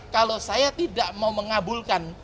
kalau saya tidak mau mengabulkan